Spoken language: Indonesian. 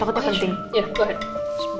aku tukang tinggi